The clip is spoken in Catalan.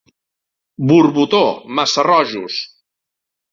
Borbotó, Massarrojos.